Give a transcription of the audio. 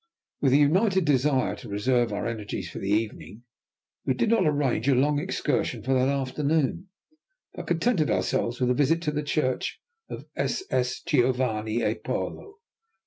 With a united desire to reserve our energies for the evening, we did not arrange a long excursion for that afternoon, but contented ourselves with a visit to the church of SS. Giovanni e Paolo.